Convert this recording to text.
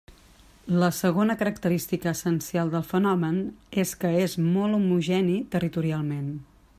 La segona característica essencial del fenomen és que és molt homogeni territorialment.